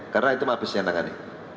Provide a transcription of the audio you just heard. karena itu mabes yang tangani